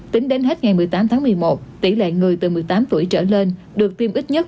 tính đến hết ngày một mươi tám tháng một mươi một tỷ lệ người từ một mươi tám tuổi trở lên được tiêm ít nhất